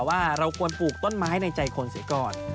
ว่าเราควรปลูกต้นไม้ในใจคนเสียก่อน